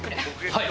はい！